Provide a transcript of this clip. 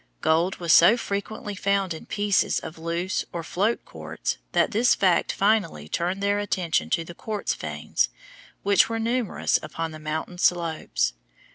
Gold was so frequently found in pieces of loose or float quartz that this fact finally turned their attention to the quartz veins which were numerous upon the mountain slopes.